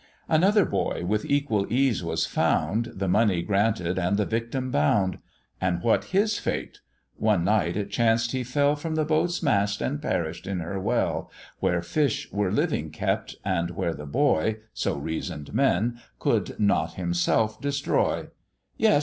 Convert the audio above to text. Another boy with equal ease was found, The money granted, and the victim bound; And what his fate? One night it chanced he fell From the boat's mast and perish'd in her well, Where fish were living kept, and where the boy (So reason'd men) could not himself destroy: "Yes!